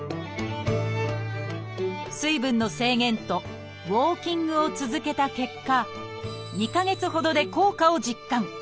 水分の制限とウォーキングを続けた結果２か月ほどで効果を実感。